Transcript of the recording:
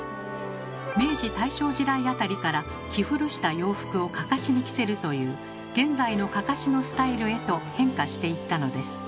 明治・大正時代あたりから着古した洋服をかかしに着せるという現在のかかしのスタイルへと変化していったのです。